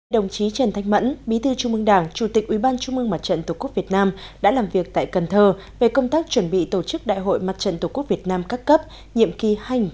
đồng chí trần thanh mẫn bí thư trung mương đảng chủ tịch ubnd tqvn đã làm việc tại cần thơ về công tác chuẩn bị tổ chức đại hội mặt trận tqvn cấp cấp nhiệm kỳ hai nghìn một mươi chín hai nghìn hai mươi bốn